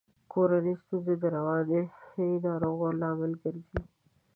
کورنۍ ستونزي د رواني ناروغیو لامل ګرزي.